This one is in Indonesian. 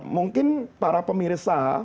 mungkin para pemirsa